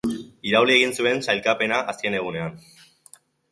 Irauli egin zuen sailkapena azken egunean.